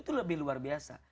itu lebih luar biasa